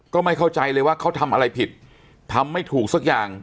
ก็ไม่เข้าใจเลยว่าเขาทำอะไรผิดทำไม่ถูกสักอย่าง